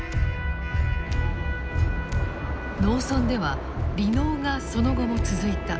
農村では離農がその後も続いた。